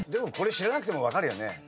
これ知らなくても分かるよね。